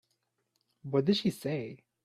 What did she say?